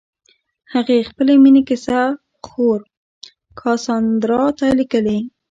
هغې خپلې مینې کیسې خور کاساندرا ته لیکلې.